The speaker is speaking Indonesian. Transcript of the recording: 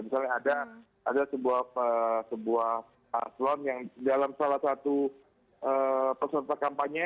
misalnya ada sebuah paslon yang dalam salah satu peserta kampanye